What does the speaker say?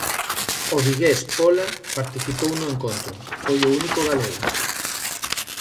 O vigués Pola participou no encontro, foi o único galego.